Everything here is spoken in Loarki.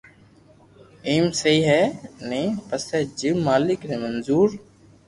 ايم سھي ھي ني پسي جيم مالڪ ني منظور